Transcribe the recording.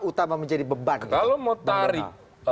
utama menjadi beban kalau mau tarik